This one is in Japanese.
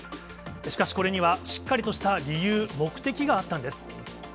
しかしこれには、しっかりとした理由、目的があったんです。